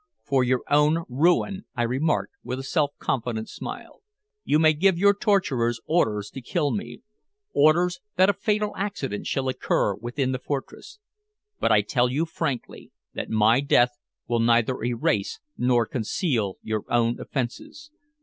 "For your own ruin," I remarked with a self confident smile. "You may give your torturers orders to kill me orders that a fatal accident shall occur within the fortress but I tell you frankly that my death will neither erase nor conceal your own offenses.